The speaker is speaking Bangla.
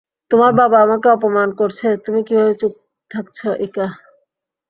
তোমার বাবা আমাকে অপমান করছে, তুমি কীভাবে চুপ থাকছো, ইকা?